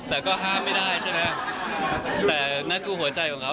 แต่ก็ห้ามไม่ได้ใช่ไหมแต่นั่นคือหัวใจของเขา